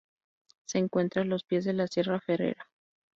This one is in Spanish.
Se encuentra a los pies de la sierra Ferrera.